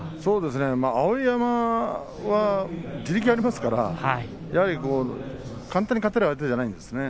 碧山は地力がありますから簡単に勝てる相手じゃないです。